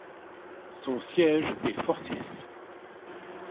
Son siège est Forsyth.